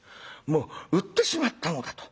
もう売ってしまったのだと。